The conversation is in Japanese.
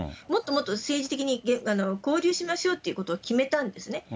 もっともっと政治的に交流しましょうということを決めたんですね。